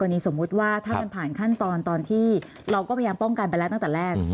วันนี้สมมุติว่าถ้ามันผ่านขั้นตอนตอนที่เราก็พยายามป้องกันไปแล้วตั้งแต่แรก